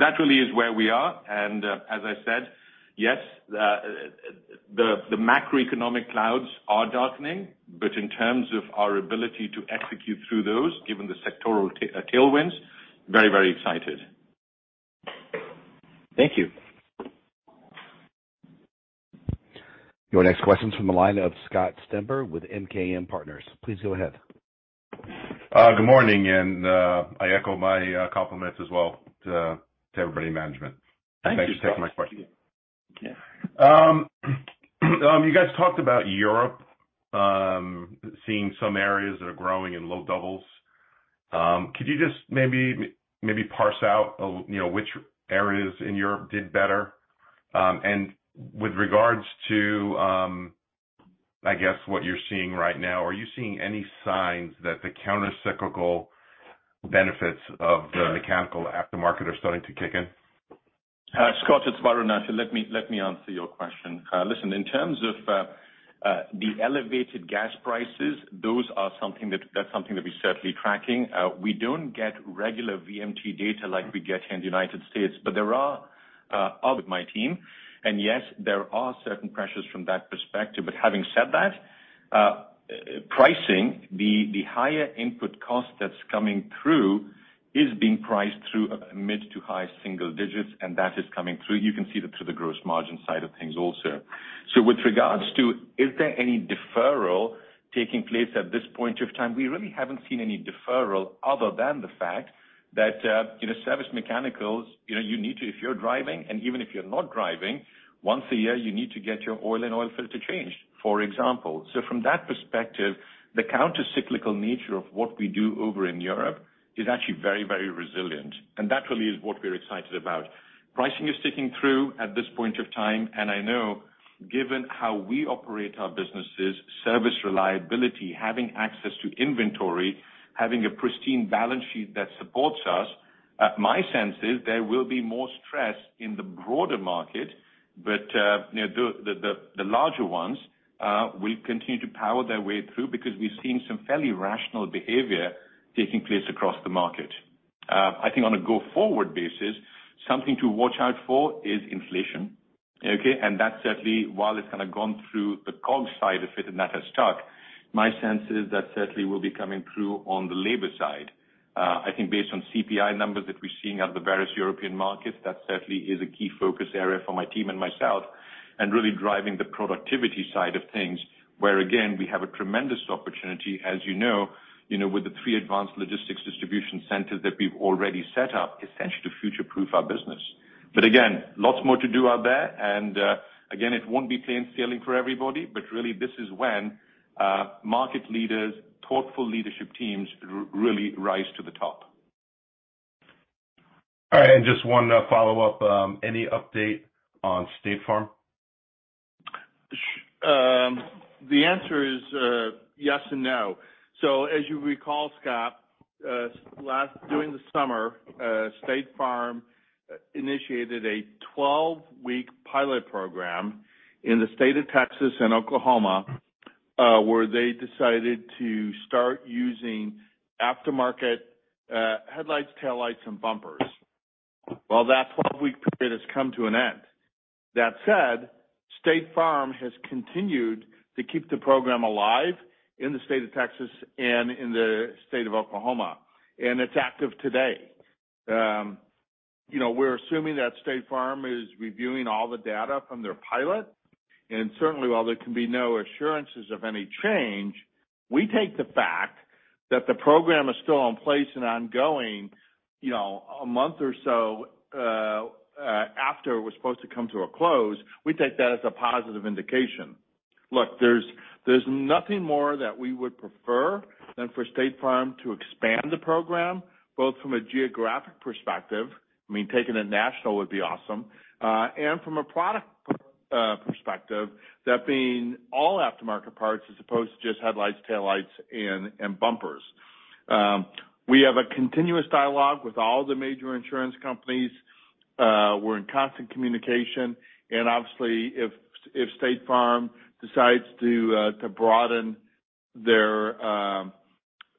That really is where we are, and, as I said, yes, the macroeconomic clouds are darkening, but in terms of our ability to execute through those, given the sectoral tailwinds, very, very excited. Thank you. Your next question is from the line of Scott Stember with MKM Partners. Please go ahead. Good morning. I echo my compliments as well to everybody in management. Thank you, Scott. Thanks for taking my question. You guys talked about Europe seeing some areas that are growing in low doubles. Could you just maybe parse out which areas in Europe did better? With regards to, I guess, what you're seeing right now, are you seeing any signs that the countercyclical benefits of the mechanical aftermarket are starting to kick in? Scott, it's Varun. Actually, let me answer your question. Listen, in terms of the elevated gas prices, that's something that we're certainly tracking. We don't get regular VMT data like we get here in the United States, but there are certain pressures from that perspective. Having said that, pricing, the higher input cost that's coming through is being passed through mid- to high single-digit %. And that is coming through. You can see that through the gross margin side of things also. With regards to is there any deferral taking place at this point of time, we really haven't seen any deferral other than the fact that service mechanicals you need to if you're driving and even if you're not driving, once a year, you need to get your oil and oil filter changed, for example. From that perspective, the countercyclical nature of what we do over in Europe is actually very, very resilient, and that really is what we're excited about. Pricing is sticking through at this point of time, and I know given how we operate our businesses, service reliability, having access to inventory, having a pristine balance sheet that supports us, my sense is there will be more stress in the broader market. you know, the larger ones will continue to power their way through because we've seen some fairly rational behavior taking place across the market. I think on a go-forward basis, something to watch out for is inflation, okay. that certainly, while it's kinda gone through the cost side of it and that has stuck, my sense is that certainly will be coming through on the labor side. I think based on CPI numbers that we're seeing out of the various European markets, that certainly is a key focus area for my team and myself, and really driving the productivity side of things, where again, we have a tremendous opportunity, as you know, with the three advanced logistics distribution centers that we've already set up, essentially to future-proof our business. Again, lots more to do out there and, again, it won't be plain sailing for everybody, but really this is when, market leaders, thoughtful leadership teams really rise to the top. All right. Just one follow-up. Any update on State Farm? The answer is, yes and no. As you recall, Scott, during the summer, State Farm initiated a 12-week pilot program in the state of Texas and Oklahoma, where they decided to start using aftermarket headlights, taillights, and bumpers. Well, that 12-week period has come to an end. That said, State Farm has continued to keep the program alive in the state of Texas and in the state of Oklahoma, and it's active today. You know, we're assuming that State Farm is reviewing all the data from their pilot, and certainly, while there can be no assurances of any change, we take the fact that the program is still in place and ongoing a month or so, after it was supposed to come to a close, we take that as a positive indication. Look, there's nothing more that we would prefer than for State Farm to expand the program, both from a geographic perspective, I mean, taking it national would be awesome, and from a product perspective, that being all aftermarket parts as opposed to just headlights, taillights, and bumpers. We have a continuous dialogue with all the major insurance companies. We're in constant communication. Obviously, if State Farm decides to broaden their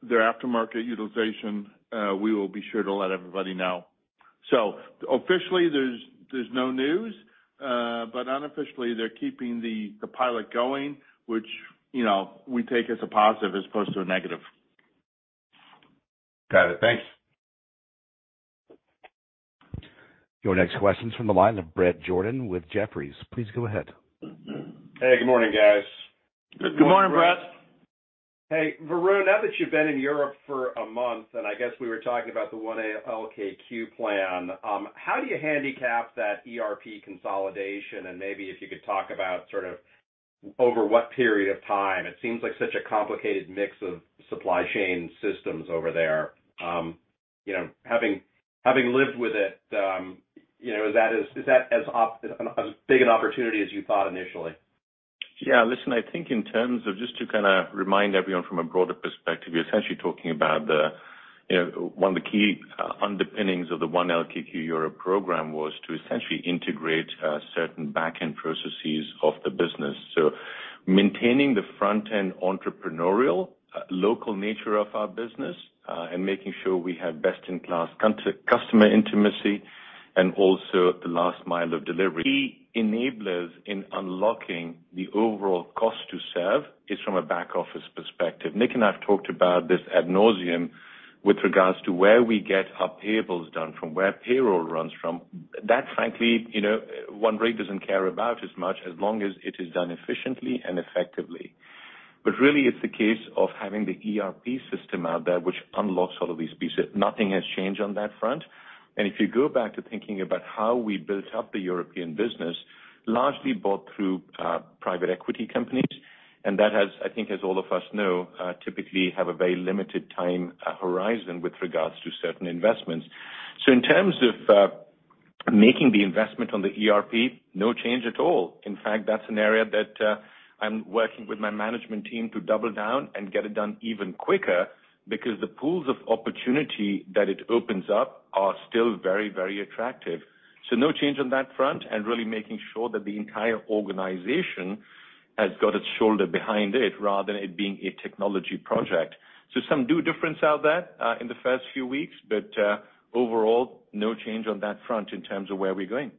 aftermarket utilization, we will be sure to let everybody know. Officially, there's no news, but unofficially, they're keeping the pilot going, which we take as a positive as opposed to a negative. Got it. Thanks. Your next question's from the line of Bret Jordan with Jefferies. Please go ahead. Hey, good morning, guys. Good morning, Bret. Hey, Varun, now that you've been in Europe for a month, and I guess we were talking about the One LKQ plan, how do you handicap that ERP consolidation? Maybe if you could talk about sort of over what period of time. It seems like such a complicated mix of supply chain systems over there. You know, having lived with it is that as big an opportunity as you thought initially? Yeah. Listen, I think in terms of just to kinda remind everyone from a broader perspective, you're essentially talking about the one of the key underpinnings of the One LKQ Europe program was to essentially integrate certain back-end processes of the business. Maintaining the front-end entrepreneurial local nature of our business, and making sure we have best-in-class customer intimacy and also the last mile of delivery. Key enablers in unlocking the overall cost to serve is from a back-office perspective. Nick and I have talked about this ad nauseam with regards to where we get our payables done from, where payroll runs from. That, frankly one really doesn't care about as much as long as it is done efficiently and effectively. Really it's the case of having the ERP system out there which unlocks all of these pieces. Nothing has changed on that front. If you go back to thinking about how we built up the European business, largely bought through private equity companies, and that has, I think as all of us know, typically have a very limited time horizon with regards to certain investments. In terms of making the investment on the ERP, no change at all. In fact, that's an area that I'm working with my management team to double down and get it done even quicker because the pools of opportunity that it opens up are still very, very attractive. No change on that front and really making sure that the entire organization has got its shoulder behind it rather than it being a technology project. Some new difference out there in the first few weeks, but overall, no change on that front in terms of where we're going.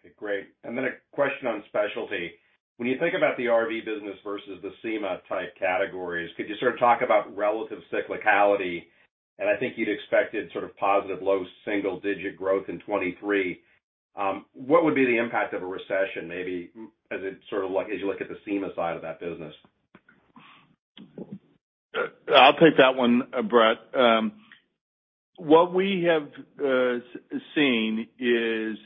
Okay, great. Then a question on specialty. When you think about the RV business versus the SEMA-type categories, could you sort of talk about relative cyclicality? I think you'd expected sort of positive low single-digit% growth in 2023. What would be the impact of a recession maybe as you look at the SEMA side of that business? I'll take that one, Brett. What we have seen is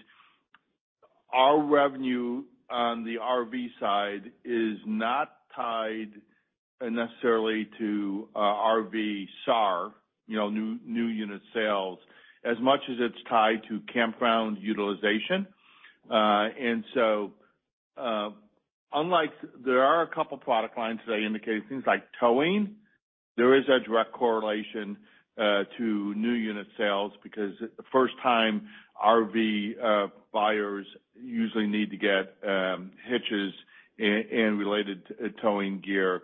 our revenue on the RV side is not tied necessarily to RV SAR new unit sales, as much as it's tied to campground utilization. There are a couple product lines that I indicated, things like towing, there is a direct correlation to new unit sales because first-time RV buyers usually need to get hitches and related towing gear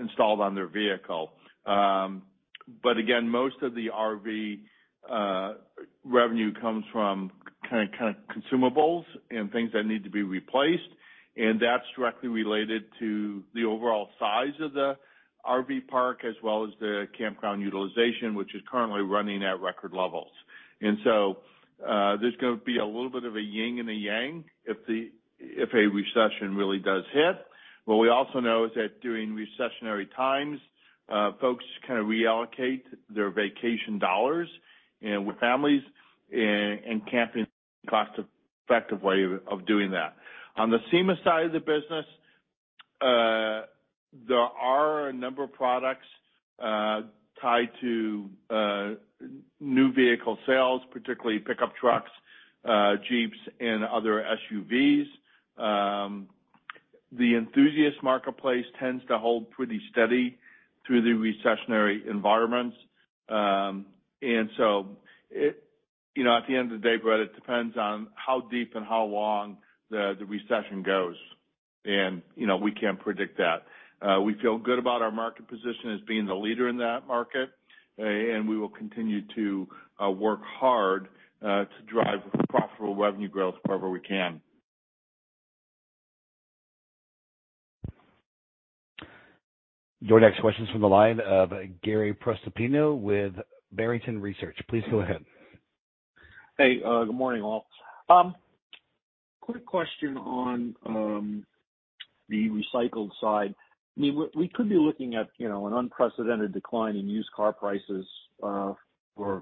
installed on their vehicle. Again, most of the RV revenue comes from kind of consumables and things that need to be replaced, and that's directly related to the overall size of the RV park as well as the campground utilization, which is currently running at record levels. There's gonna be a little bit of a yin and yang if a recession really does hit. What we also know is that during recessionary times, folks kind of reallocate their vacation dollars, and with families and camping is a cost-effective way of doing that. On the SEMA side of the business, there are a number of products tied to new vehicle sales, particularly pickup trucks, Jeeps, and other SUVs. The enthusiast marketplace tends to hold pretty steady through the recessionary environments. It. You know, at the end of the day, Bret, it depends on how deep and how long the recession goes. You know, we can't predict that. We feel good about our market position as being the leader in that market. We will continue to work hard to drive profitable revenue growth wherever we can. Your next question's from the line of Gary Prestopino with Barrington Research. Please go ahead. Hey, good morning, all. Quick question on the recycled side. I mean, we could be looking at an unprecedented decline in used car prices for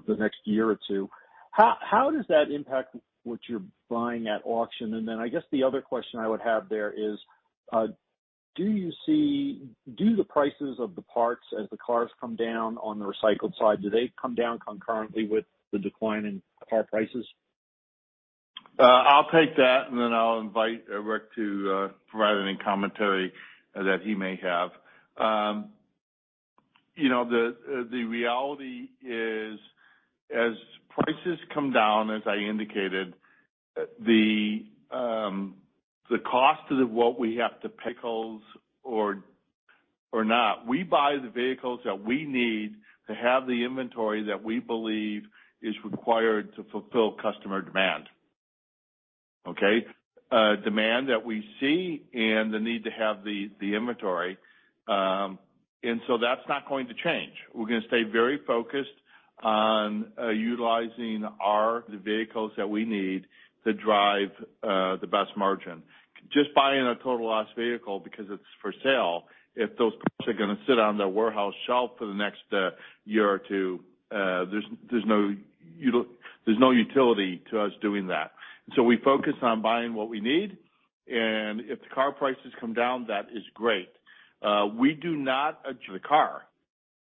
the next year or two. How does that impact what you're buying at auction? I guess the other question I would have there is, do the prices of the parts as the cars come down on the recycled side, do they come down concurrently with the decline in car prices? I'll take that, and then I'll invite Rick to provide any commentary that he may have. You know, the reality is as prices come down, as I indicated, the cost of what we have to pick holds or not, we buy the vehicles that we need to have the inventory that we believe is required to fulfill customer demand. Okay? Demand that we see and the need to have the inventory. That's not going to change. We're gonna stay very focused on utilizing the vehicles that we need to drive the best margin. Just buying a total loss vehicle because it's for sale, if those parts are gonna sit on the warehouse shelf for the next year or two, there's no utility to us doing that. We focus on buying what we need, and if the car prices come down, that is great. We do not adjust the car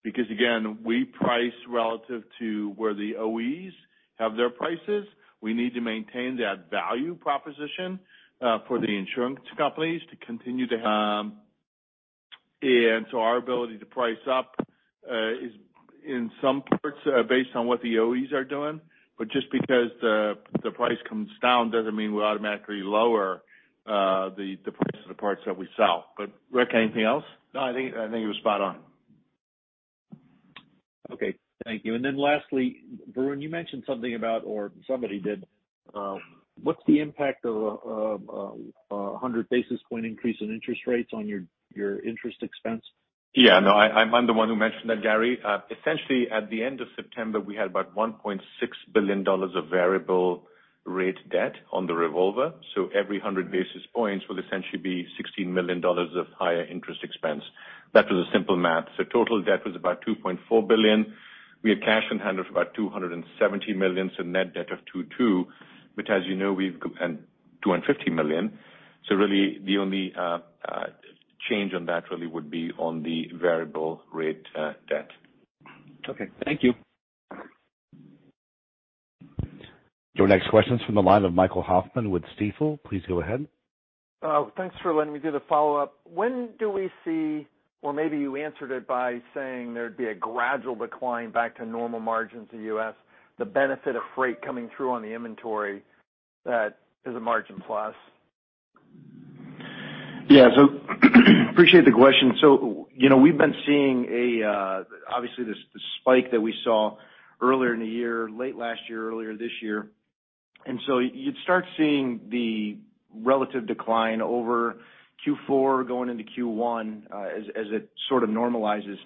because, again, we price relative to where the OEs have their prices. We need to maintain that value proposition for the insurance companies to continue to have. Our ability to price up is in some parts based on what the OEs are doing, but just because the price comes down doesn't mean we automatically lower the price of the parts that we sell. Rick, anything else? No, I think it was spot on. Okay. Thank you. Lastly, Varun, you mentioned something about, or somebody did, what's the impact of, a 100 basis point increase in interest rates on your interest expense? Yeah. No, I'm the one who mentioned that, Gary. Essentially, at the end of September, we had about $1.6 billion of variable rate debt on the revolver. Every 100 basis points will essentially be $16 million of higher interest expense. That was a simple math. Total debt was about $2.4 billion. We had cash in hand of about $270 million, so net debt of $2.2 billion. Which as you know, and $250 million. Really the only change on that really would be on the variable rate debt. Okay. Thank you. Your next question is from the line of Michael Hoffman with Stifel. Please go ahead. Thanks for letting me do the follow-up. When do we see, or maybe you answered it by saying there'd be a gradual decline back to normal margins in U.S., the benefit of freight coming through on the inventory that is a margin plus? Yeah. Appreciate the question. You know, we've been seeing a obviously the spike that we saw earlier in the year, late last year, earlier this year, and so you'd start seeing the relative decline over Q4 going into Q1, as it sort of normalizes,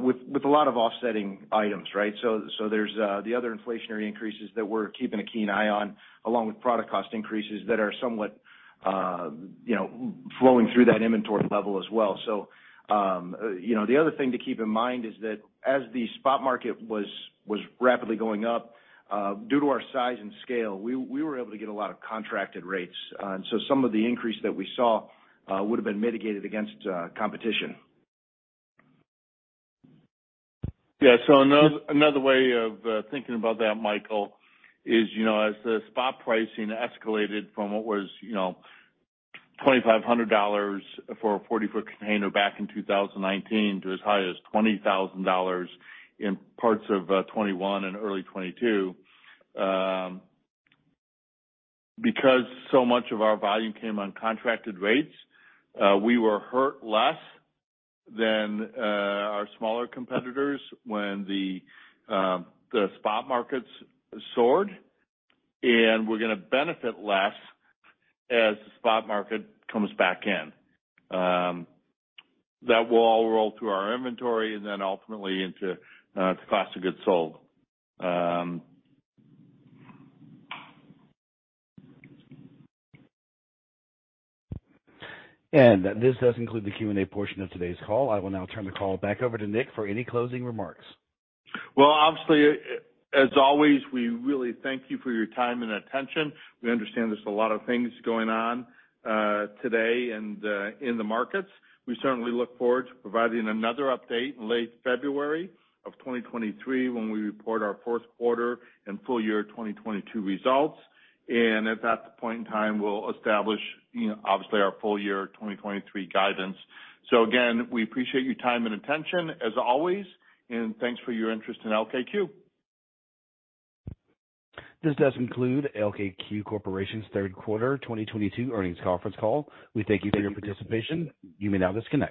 with a lot of offsetting items, right? There's the other inflationary increases that we're keeping a keen eye on, along with product cost increases that are somewhat flowing through that inventory level as well. You know, the other thing to keep in mind is that as the spot market was rapidly going up, due to our size and scale, we were able to get a lot of contracted rates. And so some of the increase that we saw would have been mitigated against competition. Yeah. Another way of thinking about that, Michael, is as the spot pricing escalated from what was $2,500 for a 40-foot container back in 2019 to as high as $20,000 in parts of 2021 and early 2022, because so much of our volume came on contracted rates, we were hurt less than our smaller competitors when the spot markets soared, and we're gonna benefit less as the spot market comes back in. That will all roll through our inventory and then ultimately into the cost of goods sold. This does conclude the Q&A portion of today's call. I will now turn the call back over to Nick for any closing remarks. Well, obviously, as always, we really thank you for your time and attention. We understand there's a lot of things going on, today and, in the markets. We certainly look forward to providing another update in late February of 2023 when we report our fourth quarter and full year 2022 results. At that point in time, we'll establish obviously our full year 2023 guidance. Again, we appreciate your time and attention as always, and thanks for your interest in LKQ. This does conclude LKQ Corporation's third quarter 2022 earnings conference call. We thank you for your participation. You may now disconnect.